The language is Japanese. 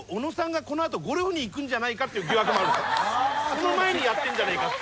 その前にやってんじゃねえかって。